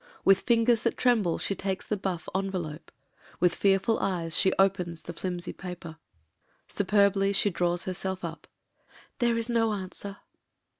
With fingers that tremble she takes the buff envelope — ^with fearful eyes she opens the flimsy paper. Superbly she draws herself up — "There is no an swer."